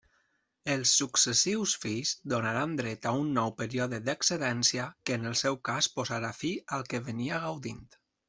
Els successius fills donaran dret a un nou període d'excedència que, en el seu cas posarà fi al que venia gaudint.